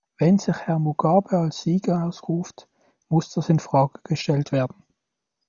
Wenn sich Herr Mugabe als Sieger ausruft, muss das in Frage gestellt werden.